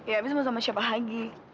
ya abis sama siapa lagi